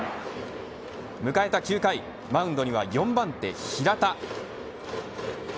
迎えた９回マウンドには４番手、平田。